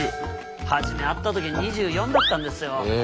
初め会った時２４だったんですよ。